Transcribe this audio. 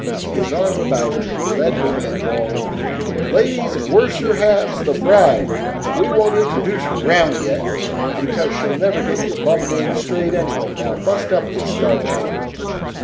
His arm about her, he led her in and bawled, "Ladies and worser halves, the bride! We won't introduce her round yet, because she'll never get your bum names straight anyway. Now bust up this star chamber!"